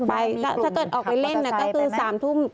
ถ้าเกิดออกไปเล่นก็คือ๓ทุ่ม